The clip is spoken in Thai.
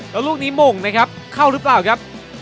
แล้วลูกนี้มงนะครับเข้าหรือเปล่าครับ